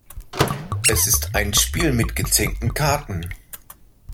Es ist ein Spiel mit gezinkten Karten.